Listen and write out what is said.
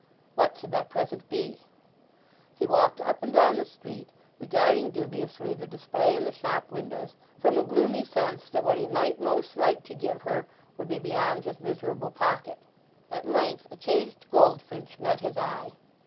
What should that present be? He walked up and down the street, regarding dubiously the display in the shop windows, from a gloomy sense that what he might most like to give her would be beyond his miserable pocket. At length a caged goldfinch met his eye.